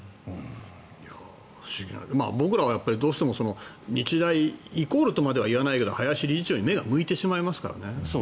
僕らはどうしても日大イコールとまではいわないけど林理事長に目が向いてしまいますからね。